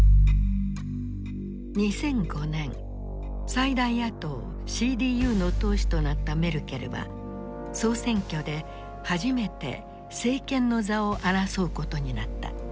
最大野党ＣＤＵの党首となったメルケルは総選挙で初めて政権の座を争うことになった。